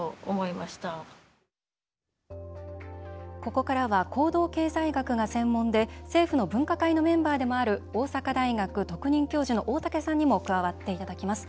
ここからは行動経済学が専門で政府の分科会のメンバーでもある大阪大学特任教授の大竹さんにも加わっていただきます。